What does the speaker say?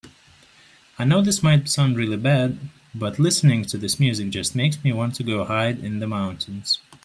I know this might sound really bad, but listening to this music just makes me want to go hide in the mountains.